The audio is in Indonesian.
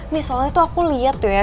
nih soalnya tuh aku lihat tuh ya